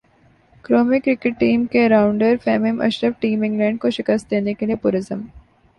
قومی cricket team کے rounder Faheem Ashraf team England کو شکست دینے کے لیئے پر عزم